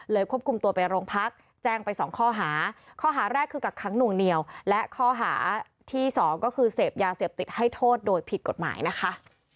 ควบคุมตัวไปโรงพักแจ้งไปสองข้อหาข้อหาแรกคือกักขังหน่วงเหนียวและข้อหาที่สองก็คือเสพยาเสพติดให้โทษโดยผิดกฎหมายนะคะ